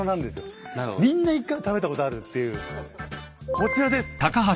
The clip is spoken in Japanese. こちらです。